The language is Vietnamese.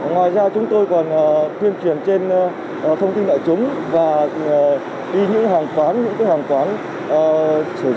ngoài ra chúng tôi còn tuyên truyền trên thông tin đại chúng và đi những hàng quán sử dụng rượu